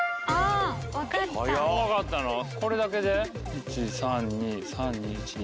１３２３２１２。